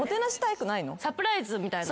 サプライズみたいな。